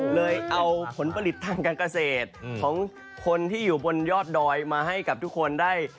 เลยเอาผลผลิตทางการเกษตรของคนที่อยู่บนยอดดอยมาให้กับทุกคนได้